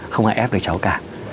không ai ép được cháu cả